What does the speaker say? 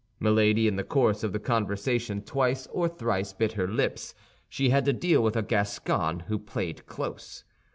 Milady in the course of the conversation twice or thrice bit her lips; she had to deal with a Gascon who played close.